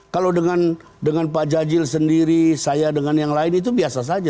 kalau dengan pak jajil sendiri saya dengan yang lain itu biasa saja